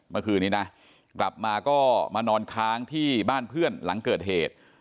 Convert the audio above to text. เมื่อคืนนี้นะกลับมาก็มานอนค้างที่บ้านเพื่อนหลังเกิดเหตุ